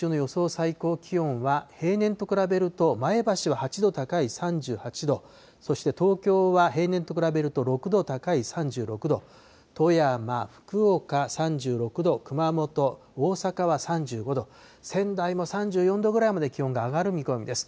最高気温は、平年と比べると前橋は８度高い３８度、そして東京は平年と比べると６度高い３６度、富山、福岡、３６度、熊本、大阪は３５度、仙台も３４度ぐらいまで気温が上がる見込みです。